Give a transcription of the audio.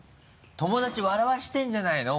友達笑わせてるんじゃないの？